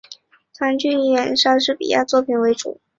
剧团以演出莎士比亚作品为主。